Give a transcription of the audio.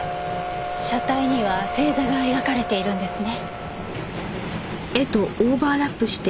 車体には星座が描かれているんですね。